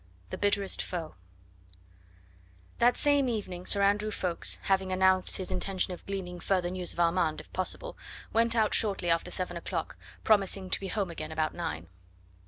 THE BITTEREST FOE That same evening Sir Andrew Ffoulkes, having announced his intention of gleaning further news of Armand, if possible, went out shortly after seven o'clock, promising to be home again about nine.